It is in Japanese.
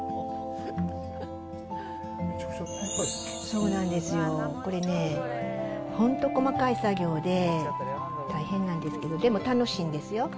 そうなんですよ、これね、本当細かい作業で、大変なんですけど、でも楽しいんですよ。